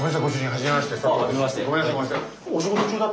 はじめまして。